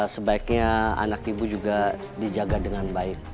sebaiknya anak ibu juga dijaga dengan baik